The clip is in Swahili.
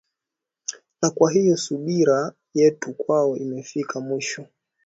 na kwa hiyo subira yetu kwao imefika mwisho